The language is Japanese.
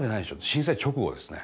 震災直後ですね。